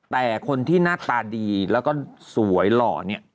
แต่คนที่หน้าตาดีแล้วก็สวยหล่อเนี่ย